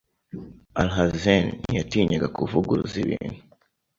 Alhazen ntiyatinyaga kuvuguruza ibintu